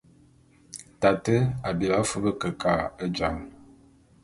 Tate a bilí afub kekâ e jāl.